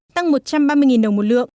tăng một trăm ba mươi đồng một lượng